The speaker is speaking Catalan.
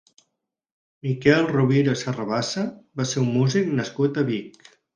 Miquel Rovira i Serrabassa va ser un músic nascut a Vic.